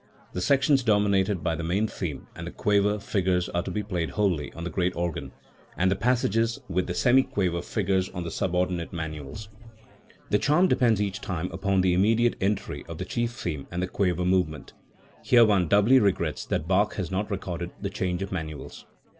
The sections dominated by the main theme and the quaver figures are to be played wholly on the great organ, and the passages with the semiquaver figures on the sub ordinate manuals. The charm depends each time upon the immediate entry of the chief theme and the quaver movement. Here one doubly regrets that Bach has not recorded the change of manuals.